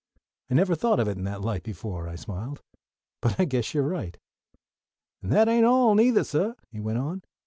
"I never thought of it in that light before," I smiled; "but I guess you're right." "An' that ain't all, neither, suh," he went on.